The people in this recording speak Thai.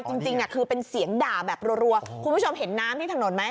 จริงคือเป็นเสียงด่าแบบรัวคุณผู้ชมเห็นน้ำที่ถนนไหม